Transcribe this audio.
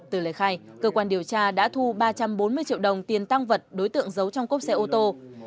từ lời khai cơ quan điều tra đã thu ba trăm bốn mươi triệu đồng tiền tăng vật đối tượng giấu trong cốp xe ô tô